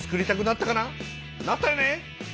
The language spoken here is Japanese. なったよね！？